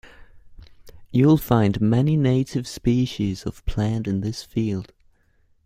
You'll find many native species of plant in this field